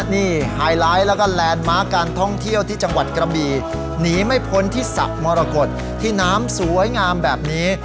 นี่แล้วก็การท่องเที่ยวที่จังหวัดกระบี่หนีไม่พ้นที่สระมรกฏที่น้ำสวยงามแบบนี้